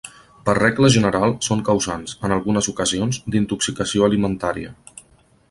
Per regla general són causants, en algunes ocasions, d'intoxicació alimentària.